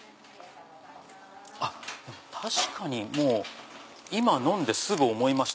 あっ確かに今飲んですぐ思いました。